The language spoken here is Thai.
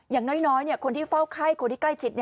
อย่างน้อยคนที่เฝ้าไข้คนที่ใกล้ชิด